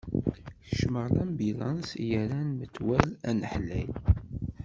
Kecmeɣ lambilanṣ i yerran metwal anaḥlay.